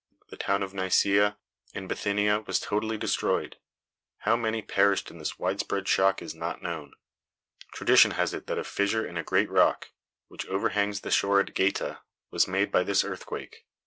The town of Nicaea, in Bithynia, was totally destroyed. How many perished in this widespread shock is not known. Tradition has it that a fissure in a great rock, which overhangs the shore at Gaeta, was made by this earthquake.